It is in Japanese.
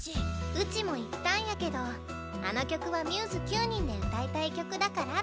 ウチも言ったんやけどあの曲はμ’ｓ９人で歌いたい曲だからって。